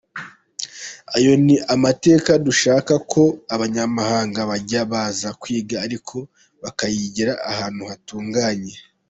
Ayo ni amateka dushaka ko n’abanyamahanga bajya baza kwiga ariko bakayigira ahantu hatunganye.